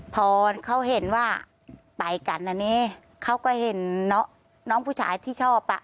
พอเขาเห็นว่าไปกันอันนี้เขาก็เห็นน้องผู้ชายที่ชอบอ่ะ